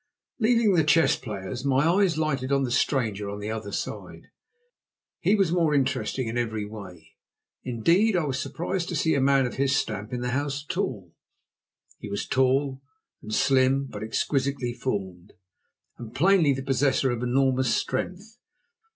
Leaving the chess players, my eyes lighted on the stranger on the other side. He was more interesting in every way. Indeed, I was surprised to see a man of his stamp in the house at all. He was tall and slim, but exquisitely formed, and plainly the possessor of enormous strength.